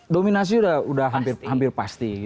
dominasi udah hampir pasti